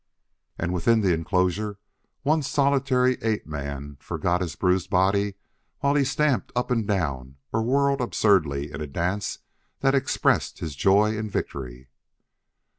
And within the enclosure one solitary ape man forgot his bruised body while he stamped up and down or whirled absurdly in a dance that expressed his joy in victory.